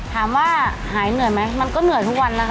ถามว่าหายเหนื่อยไหมมันก็เหนื่อย